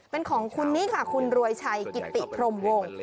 เป็นของคุณนี้ค่ะคุณรวยชัยกิติพรมวง